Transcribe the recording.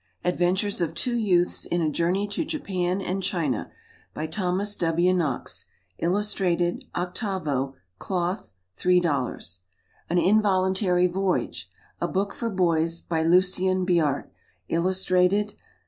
Adventures of Two Youths in a Journey to Japan and China. By THOMAS W. KNOX. Illustrated. 8vo, Cloth, $3.00. An Involuntary Voyage. A Book for Boys. By LUCIEN BIART. Illustrated.